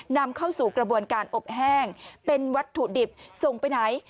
นำเข้าสู่กระบวนการอบแห้งเป็นวัตถุดิบส่งไปไหน